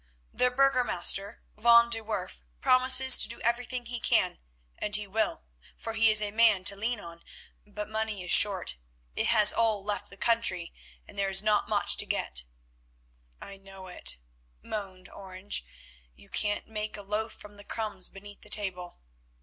"The burgomaster, van de Werff, promises to do everything he can, and will, for he is a man to lean on, but money is short. It has all left the country and there is not much to get." "I know it," groaned Orange, "you can't make a loaf from the crumbs beneath the table.